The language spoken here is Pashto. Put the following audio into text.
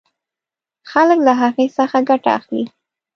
خلک له هغې څخه ګټه اخلي.